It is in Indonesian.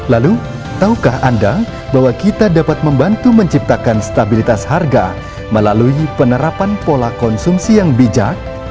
lalu tahukah anda bahwa kita dapat membantu menciptakan stabilitas harga melalui penerapan pola konsumsi yang bijak